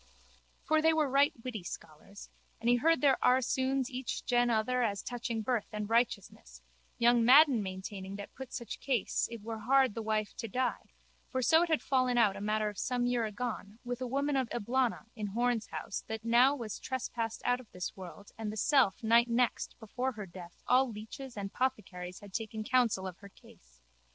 For they were right witty scholars. And he heard their aresouns each gen other as touching birth and righteousness, young Madden maintaining that put such case it were hard the wife to die (for so it had fallen out a matter of some year agone with a woman of Eblana in Horne's house that now was trespassed out of this world and the self night next before her death all leeches and pothecaries had taken counsel of her case).